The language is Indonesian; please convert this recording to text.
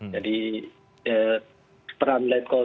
jadi peran letkos